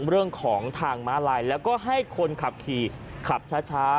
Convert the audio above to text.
เรื่องของทางม้าลายแล้วก็ให้คนขับขี่ขับช้า